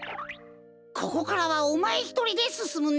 ここからはおまえひとりですすむんだ。